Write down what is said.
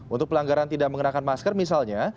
untuk pelanggaran tidak mengenakan masker misalnya